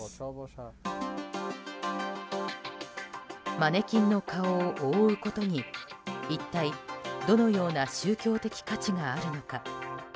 マネキンの顔を覆うことに一体どのような宗教的価値があるのか。